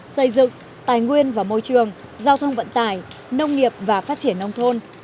xây dựng tài nguyên và môi trường giao thông vận tải nông nghiệp và phát triển nông thôn